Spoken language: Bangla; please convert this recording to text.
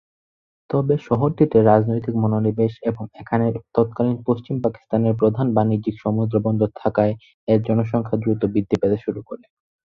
তবে শহরটিতে রাজনৈতিক মনোনিবেশ এবং এখানেই তৎকালীন পশ্চিম পাকিস্তানের প্রধান বাণিজ্যিক সমুদ্রবন্দর থাকায় এর জনসংখ্যা দ্রুত বৃদ্ধি পেতে শুরু করে।